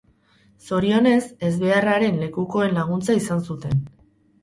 Zorionez, ezbeharraren lekukoen laguntza izan zuten.